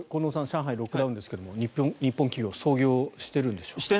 上海、ロックダウンですが日本企業は操業してるんでしょうか。